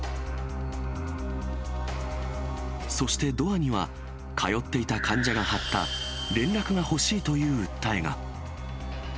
そしてドアには、通っていた患者が貼った、連絡が欲しいという訴えが。